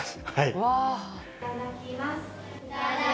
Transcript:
いただきます。